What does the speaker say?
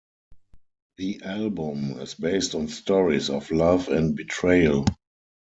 The album is based on stories of love and betrayal.